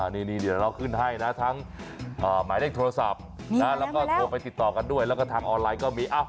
นี่เดี๋ยวเราขึ้นให้นะทั้งหมายเลขโทรศัพท์แล้วก็โทรไปติดต่อกันด้วยแล้วก็ทางออนไลน์ก็มี